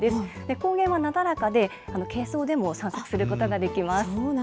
高原はなだらかで、軽装でも散策することができます。